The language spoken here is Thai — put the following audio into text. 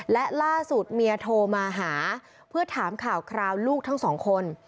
และล่าสุดเมียโทรมาหาเพื่อถามข่าวคราวลูกทั้งสองคน